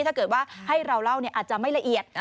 ถ้าเกิดว่าให้เราเล่าอาจจะไม่ละเอียด